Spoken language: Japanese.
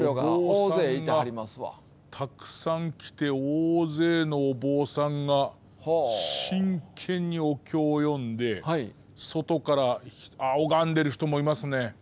お坊さんがたくさん来て大勢のお坊さんが真剣にお経を読んで外から、拝んでる人もいますね。